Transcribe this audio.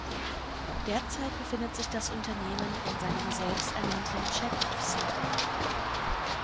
Derzeit befindet sich das Unternehmen in seinem selbsternannten „Chekhov Cycle“.